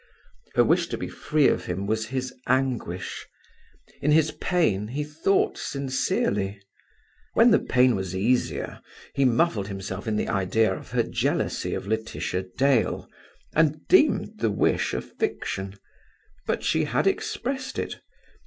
Her wish to be free of him was his anguish. In his pain he thought sincerely. When the pain was easier he muffled himself in the idea of her jealousy of Laetitia Dale, and deemed the wish a fiction. But she had expressed it.